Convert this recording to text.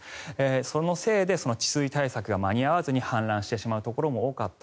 そのせいで治水対策が間に合わずに氾濫してしまうところも多かった。